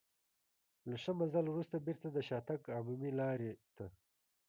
له ښه مزل وروسته بېرته د شاتګ عمومي لارې ته.